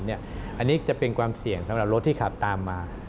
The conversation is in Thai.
อันนี้จะเป็นความเสี่ยงสำหรับรถที่ขับตามมา